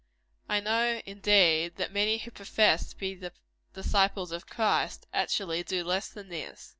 I know, indeed, that many who profess to be the disciples of Christ, actually do less than this.